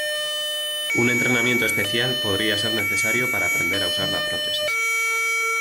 Un entrenamiento especial podría ser necesario para aprender a usar la prótesis.